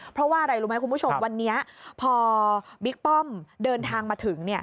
เพราะว่าอะไรรู้ไหมคุณผู้ชมวันนี้พอบิ๊กป้อมเดินทางมาถึง